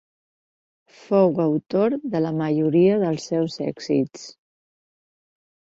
Fou autor de la majoria dels seus èxits.